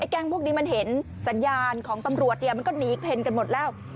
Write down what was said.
แก๊งพวกนี้มันเห็นสัญญาณของตำรวจมันก็หนีเพ็ญกันหมดแล้ว